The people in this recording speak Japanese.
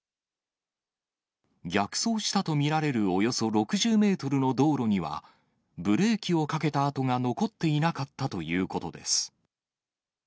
逆走したと見られるおよそ６０メートルの道路には、ブレーキをかけた跡が残っていなかったということです。